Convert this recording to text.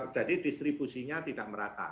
jadi distribusinya tidak merata